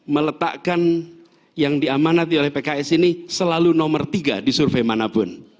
meletakkan yang diamanati oleh pks ini selalu nomor tiga di survei manapun